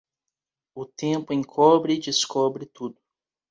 O tempo encobre e descobre tudo.